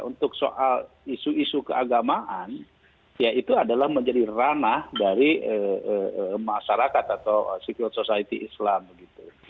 untuk soal isu isu keagamaan ya itu adalah menjadi ranah dari masyarakat atau civil society islam begitu